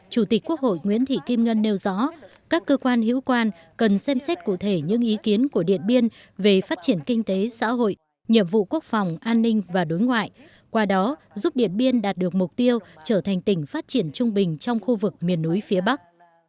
chủ tịch quốc hội nguyễn thị kim ngân nêu rõ các cơ quan hữu quan cần xem xét cụ thể những ý kiến của điện biên về phát triển kinh tế xã hội nhiệm vụ quốc phòng an ninh và đối ngoại qua đó giúp điện biên đạt được mục tiêu trở thành tỉnh phát triển trung bình trong khu vực miền núi phía bắc